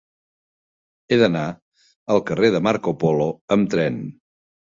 He d'anar al carrer de Marco Polo amb tren.